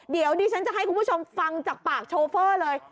เดี๋ยวดิฉันจะให้คุณผู้ชมฟังจากปากโชเฟอร์เลย